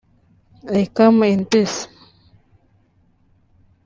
I come in peace)”